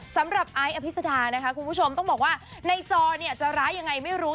สำหรับไอซ์อภิษฐาคุณผู้ชมต้องบอกว่าในจอจะร้ายยังไงไม่รู้